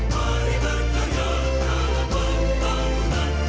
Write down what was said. mari berkarya dalam pembahunan